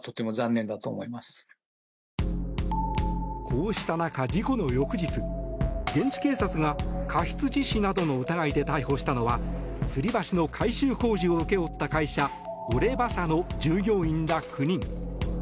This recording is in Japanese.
こうした中、事故の翌日現地警察が過失致死などの疑いで逮捕したのはつり橋の改修工事を請け負った会社オレバ社の従業員ら９人。